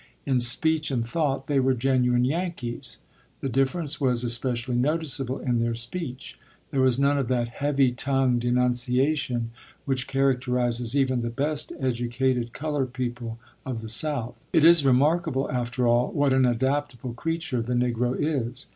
In speech and thought they were genuine Yankees. The difference was especially noticeable in their speech. There was none of that heavy tongued enunciation which characterizes even the best educated colored people of the South. It is remarkable, after all, what an adaptable creature the Negro is.